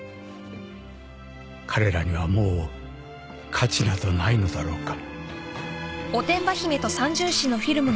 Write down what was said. ［彼らにはもう価値などないのだろうか？］